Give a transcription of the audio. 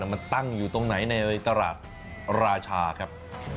มันตั้งอยู่ตรงไหนในตลาดราชาครับ